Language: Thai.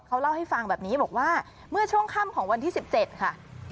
เขาเล่าให้ฟังแบบนี้บอกว่าเมื่อช่วงค่ำของวันที่๑๗ค่ะ